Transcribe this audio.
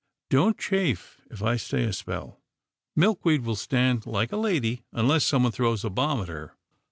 Don't chafe, if I stay a spell. Milkweed will stand like a lady, unless someone throws a bomb at her."